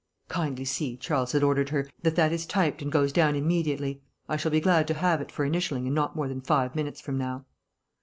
"Kindly see," Charles had ordered her, "that that is typed and goes down immediately. I shall be glad to have it for initialing in not more than five minutes from now."